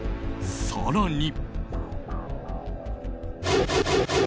更に。